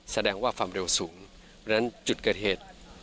แสดงว่าฟัมเร็วสูงดังนั้นจุดเกิดเหตุ